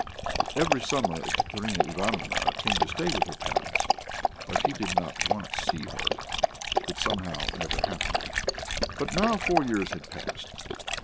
Every summer Ekaterina Ivanovna came to stay with her parents, but he did not once see her; it somehow never happened. But now four years had passed.